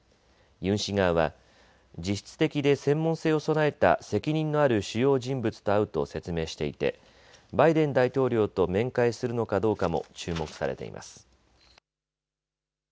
ユン氏側は実質的で専門性を備えた責任のある主要人物と会うと説明していてバイデン大統領と面会するのかどうかも注目されています。